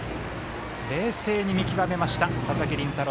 冷静に見極めました佐々木麟太郎。